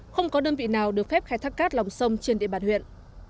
không có đơn vị nào được phép khai thác cát lòng sông trên địa bàn huyện